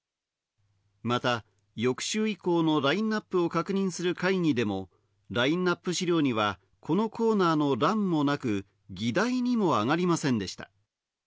また翌週以降のラインナップを確認する会議でも、ラインナップ資料にはこのコーナーの欄もなく、議題にもあがりませんでした。